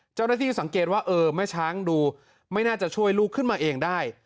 เจ้าหน้าที่สังเกตว่าเออแม่ช้างดูไม่น่าจะช่วยลูกขึ้นมาเองได้